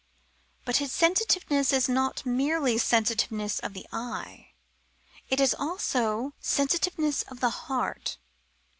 But his sensitiveness is not merely sensitiveness of the eye: it is also sensitiveness of the heart.